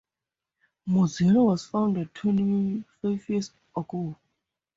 Mozilla was founded twenty-five years ago.